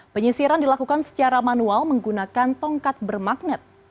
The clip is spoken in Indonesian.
penyisiran dilakukan secara manual menggunakan tongkat bermagnet